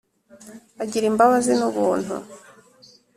Agira imbabazi n’ubuntu